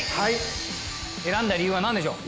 選んだ理由は何でしょう？